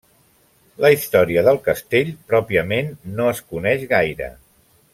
La història del castell, pròpiament, no es coneix gaire.